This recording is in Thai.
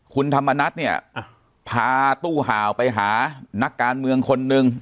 คุณธรรมนัฐเนี่ยพาตู้ห่าวไปหานักการเมืองคนนึง